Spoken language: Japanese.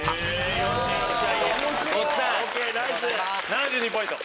７２ポイント！